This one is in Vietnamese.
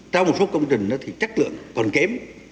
trong một số công trình thì chất lượng còn kém